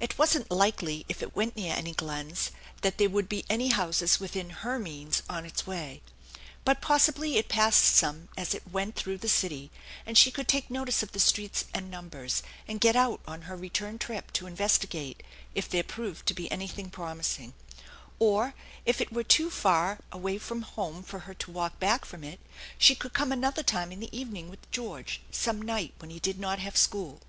It wasn't likely, if it went nea any glens, that there would be any houses within her means on its way; but possibly it passed some as it went through the city, and she could take notice of the streets and numbers and get out on her return trip to investigate if there proved to be anything promising; or, if it were too far away from home for her to walk back from it, she could come another time in the evening with George, some night when he did not have school.